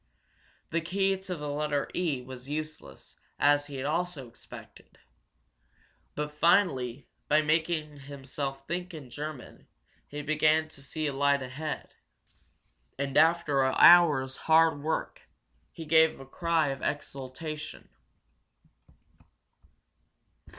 The key to the letter E was useless, as he had also expected. But finally, by making himself think in German, he began to see a light ahead. And after an hour's hard work he gave a cry of exultation.